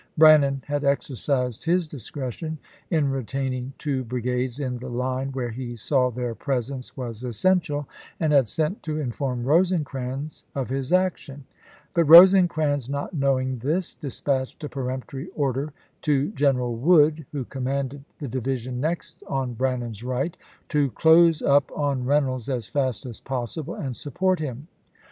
Brannan had exercised his discretion in retaining two brigades in the line where he saw their presence was essential, and had sent to inform Rosecrans of his action ; but Rose crans, not knowing this, dispatched a peremptory order to General Wood, who commanded the di vision next on Brannan's right, to " close up on vol'xxx., Reynolds as fast as possible and support him."